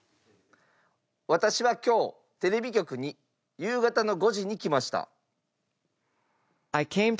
私は今日テレビ局に夕方の５時に来ました。